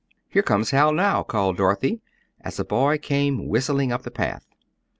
"Here comes Hal now," called Dorothy, as a boy came whistling up the path.